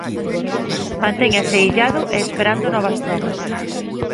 Mantéñase illado e esperando novas probas.